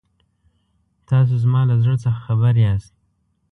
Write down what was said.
تاسو زما له زړه څخه خبر یاست.